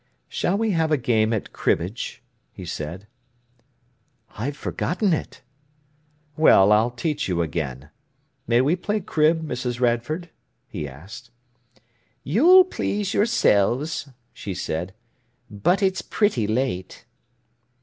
"Shall we have a game at cribbage?" he said. "I've forgotten it." "Well, I'll teach you again. May we play crib, Mrs. Radford?" he asked. "You'll please yourselves," she said; "but it's pretty late."